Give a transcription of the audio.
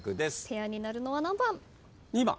ペアになるのは何番？